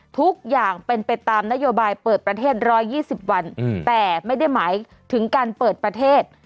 ทุกอย่างเป็นไปตามนโยบายเปิดประเทศ๑๒๐วันแต่ไม่ได้หมายถึงการเปิดประเทศ